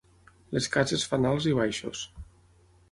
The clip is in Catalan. Les cases fan alts i baixos.